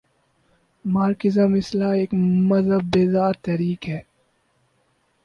Marxism اصلا ایک مذہب بیزار تحریک ہے۔